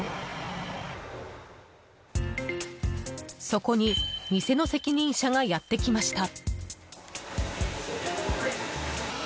そこに店の責任者がやってきました。